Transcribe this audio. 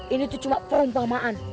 ini tuh cuma perumpamaan